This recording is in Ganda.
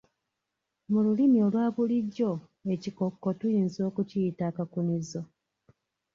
Mu lulimi olwa bulijjo ekikokko tuyinza okukiyita akakunizo.